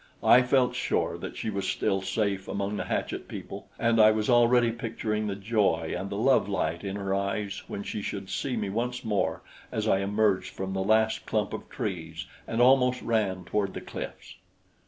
I felt sure that she was still safe among the hatchet people, and I was already picturing the joy and the love light in her eyes when she should see me once more as I emerged from the last clump of trees and almost ran toward the cliffs.